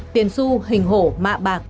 tiền su hình hổ mạ bạc